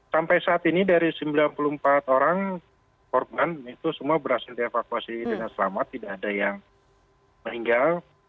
sampai saat ini dari sembilan puluh empat orang korban itu semua berhasil dievakuasi dengan selamat tidak ada yang meninggal